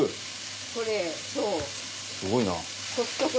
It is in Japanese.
すごいな。